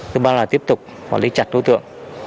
thứ ba là tiếp tục quản lý chặt đối tượng